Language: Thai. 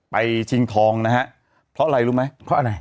ไปชิงทองนะฮะเพราะอะไรรู้ไหม